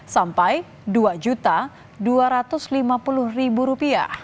sampai rp dua dua ratus lima puluh